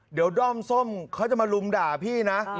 เดี๋ยวด้อมส้มเขาจะมาลุมด่าพี่นะ